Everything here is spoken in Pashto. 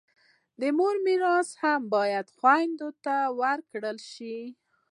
د مور میراث هم باید و خویندو ته ورکړل سي.